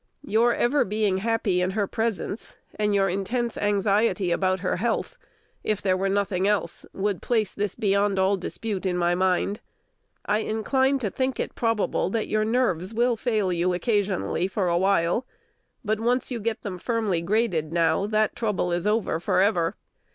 Your ever being happy in her presence, and your intense anxiety about her health, if there were nothing else, would place this beyond all dispute in my mind. I incline to think it probable that your nerves will fail you occasionally for a while; but once you get them firmly graded now, that trouble is over forever.